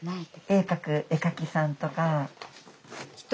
絵描く絵描きさんとか。